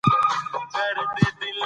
دوی به خج وپیژني.